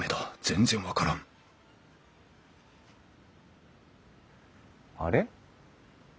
全然分からんあれ？